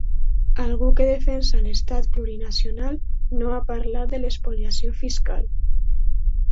Algú que defensa l’estat plurinacional, no ha parlat de l’espoliació fiscal.